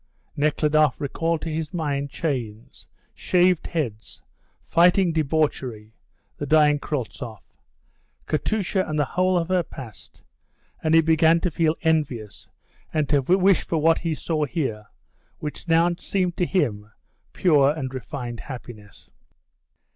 Nekhludoff recalled to his mind chains, shaved heads, fighting debauchery, the dying Kryltzoff, Katusha and the whole of her past, and he began to feel envious and to wish for what he saw here, which now seemed to him pure and refined happiness.